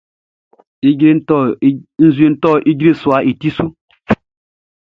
Nzueʼn tɔ ijre suaʼn i ti su.